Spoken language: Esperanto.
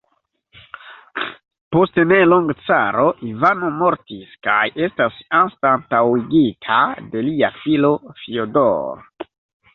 Post nelonge caro Ivano mortis kaj estas anstataŭigita de lia filo Fjodor.